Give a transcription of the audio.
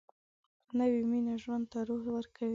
نوې مینه ژوند ته روح ورکوي